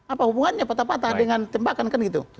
apa hubungannya patah patah dengan tembakan kan gitu